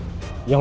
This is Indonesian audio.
siapa itu agus